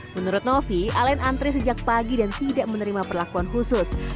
menurut novi alen antri sejak pagi dan tidak menerima perlakuan khusus